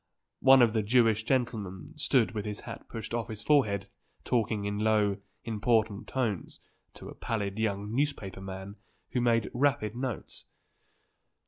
One of the Jewish gentlemen stood with his hat pushed off his forehead talking in low, important tones to a pallid young newspaper man who made rapid notes.